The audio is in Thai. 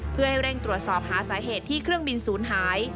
เพื่อให้เร่งตรวจสอบหาสาเหตุที่เครื่องบินศูนย์หาย